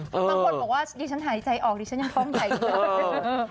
บางคนบอกว่าดิฉันหายใจออกดิฉันยังฟ้องใหญ่อยู่เลย